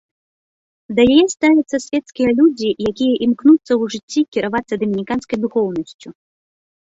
Да яе ставяцца свецкія людзі, якія імкнуцца ў жыцці кіравацца дамініканскай духоўнасцю.